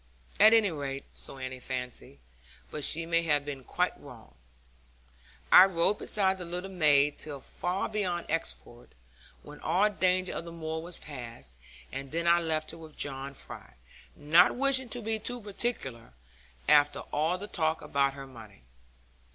At any rate so Annie fancied, but she may have been quite wrong. I rode beside the little maid till far beyond Exeford, when all danger of the moor was past, and then I left her with John Fry, not wishing to be too particular, after all the talk about her money.